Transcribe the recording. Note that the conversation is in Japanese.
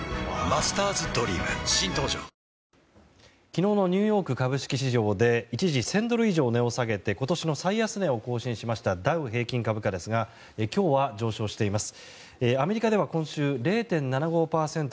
昨日のニューヨーク株式市場で一時１０００ドル以上値を下げて今年の最安値を更新したダウ平均株価ですが今日は上昇しています。